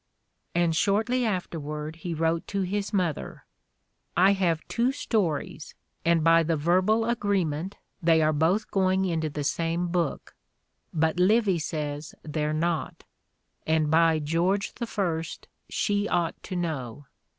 And shortly afterward he wrote to his mother: "I have two stories, and by the verbal agreement they are both going into the same book; but Livy says they're not, and by George I she ought to know.